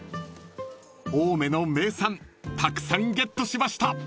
［青梅の名産たくさんゲットしました！］